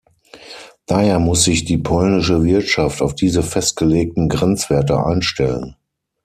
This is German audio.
Daher muss sich die polnische Wirtschaft auf diese festgelegten Grenzwerte einstellen.